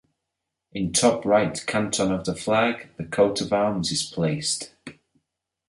In top right canton of the flag the Coat of Arms is placed.